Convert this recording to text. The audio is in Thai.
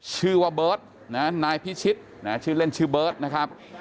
ชื่อว่าเบิร์ตนายพิชิตชื่อเล่นชื่อเบิร์ตนะครับ